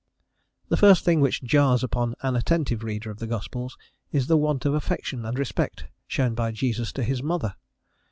The first thing which jars upon an attentive reader of the gospels is the want of affection and respect shown by Jesus to his mother.